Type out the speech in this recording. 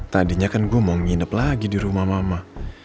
tadinya kan gue mau nginep lagi di rumah mama